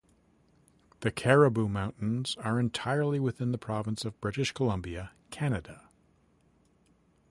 The Cariboo Mountains are entirely within the province of British Columbia, Canada.